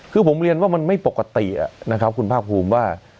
คือผมเรียนว่ามันไม่ปกตินะครับคุณภาคภูมิว่า